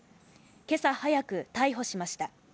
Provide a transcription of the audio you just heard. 今朝早く逮捕しました。